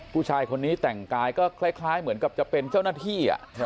ผู้ชายคนนี้แต่งกายก็คล้ายเหมือนกับจะเป็นเจ้าหน้าที่